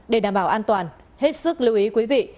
để đảm bảo an toàn hết sức lưu ý quý vị